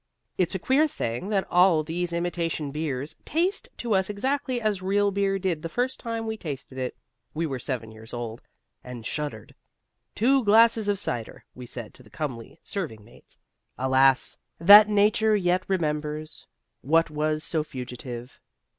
It's a queer thing that all these imitation beers taste to us exactly as real beer did the first time we tasted it (we were seven years old) and shuddered. "Two glasses of cider," we said to the comely serving maid. Alas That nature yet remembers What was so fugitive.